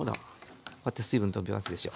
こうやって水分とびますでしょ。